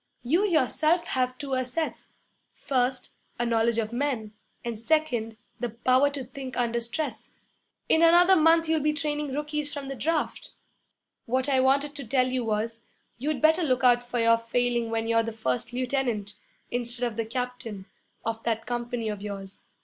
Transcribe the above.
You yourself have two assets: first, a knowledge of men, and second, the power to think under stress. In another month you'll be training rookies from the draft. What I wanted to tell you was, you'd better look out for your failing when you're the first lieutenant, instead of the captain, of that company of yours.